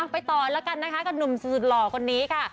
ไปต่อแล้วกันนะคะกับหนุ่มสุดหล่อคนนี้ค่ะ